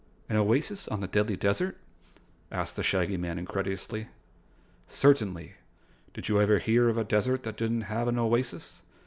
"An oasis on the Deadly Desert?" asked the Shaggy Man incredulously. "Certainly. Did you ever hear of a desert that didn't have an oasis?"